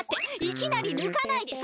いきなりぬかないで！